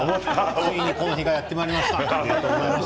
ついにこの日がやってきました。